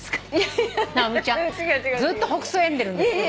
直美ちゃんずっとほくそ笑んでるんですけど。